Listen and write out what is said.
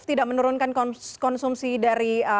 tidak menurunkan konsumsi dari